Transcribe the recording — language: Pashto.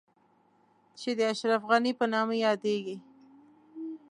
چې د اشرف غني په نامه يادېږي.